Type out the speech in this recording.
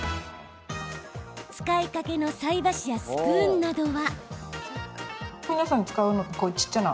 使いかけの菜箸やスプーンなどは。